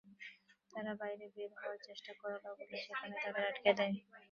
তাঁরা বাইরে বের হওয়ার চেষ্টা করলেও পুলিশ সেখানেই তাঁদের আটকে দেয়।